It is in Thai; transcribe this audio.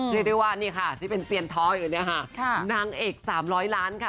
เรียกได้ว่านี่ค่ะที่เป็นเซียนท้ออยู่เนี่ยค่ะนางเอก๓๐๐ล้านค่ะ